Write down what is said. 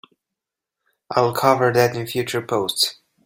I'll cover that in future posts!